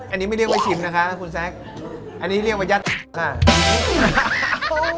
อันนี้ไม่เรียกว่าชิมนะคะคุณแซคอันนี้เรียกว่ายัดค่ะ